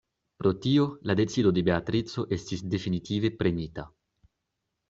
Pro tio la decido de Beatrico estis definitive prenita.